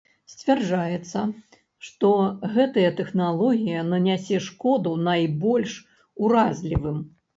Сцвярджаецца, што гэтая тэхналогія нанясе шкоду найбольш уразлівым.